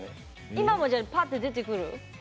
今もパッとでてくる？